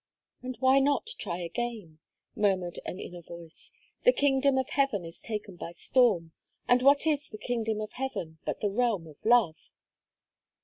"And why not try again?" murmured an inner voice; "the kingdom of Heaven is taken by storm and what is the kingdom of Heaven, but the realm of love?"